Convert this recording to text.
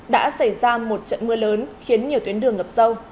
đã xảy ra một trận mưa lớn khiến nhiều tuyến đường ngập sâu